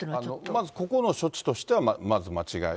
まずここの処置としてはまず間違い。